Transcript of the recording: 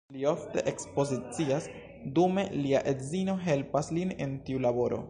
Li ofte ekspozicias, dume lia edzino helpas lin en tiu laboro.